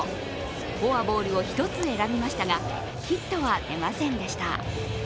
フォアボールを１つ選びましたがヒットは出ませんでした。